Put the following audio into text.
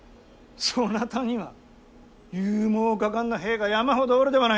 そなたには勇猛果敢な兵が山ほどおるではないか。